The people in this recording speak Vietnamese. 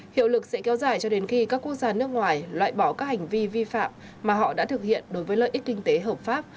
hiệu lực sẽ kéo dài cho đến khi các quốc gia nước ngoài loại bỏ các hành vi vi phạm mà họ đã thực hiện đối với lợi ích kinh tế hợp pháp